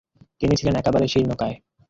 তিনি ছিলেন একেবারে শীর্ণকায়।